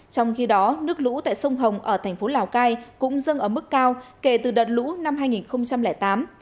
trong khi đó nước lũ tại sông hồng ở thành phố lào cai cũng dâng ở mức cao kể từ đợt lũ năm hai nghìn tám